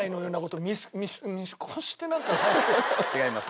違います。